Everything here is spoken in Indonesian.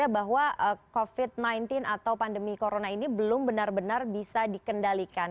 bahwa covid sembilan belas atau pandemi corona ini belum benar benar bisa dikendalikan